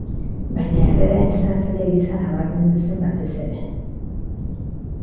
Baina Herrera entrenatzaile gisa nabarmendu zen batez ere.